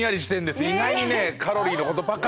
意外にね